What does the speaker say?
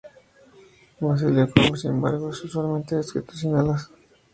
Un basilisco, sin embargo, es usualmente descrito sin alas.